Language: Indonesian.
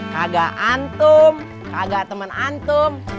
kagak antum kagak teman antum